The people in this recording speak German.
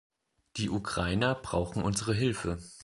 Die Ukrainer brauchen unsere Hilfe.